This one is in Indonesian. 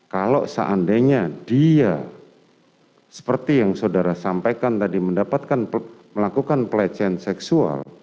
kalau seandainya dia seperti yang saudara sampaikan tadi melakukan pelecehan seksual